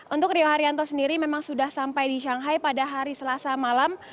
untuk rio haryanto sendiri memang sudah sampai di shanghai pada hari selasa malam